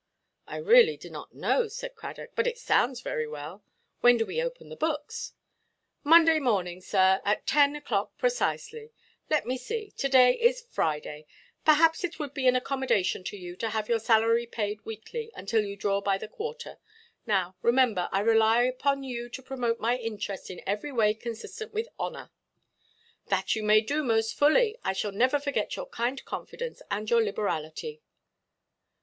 "I really do not know," said Cradock; "but it sounds very well. When do we open the books?" "Monday morning, sir, at ten oʼclock precisely. Let me see: to–day is Friday. Perhaps it would be an accommodation to you, to have your salary paid weekly, until you draw by the quarter. Now, remember, I rely upon you to promote my interest in every way consistent with honour." "That you may do, most fully. I shall never forget your kind confidence, and your liberality."